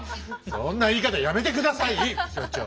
そんな言い方やめて下さい副所長。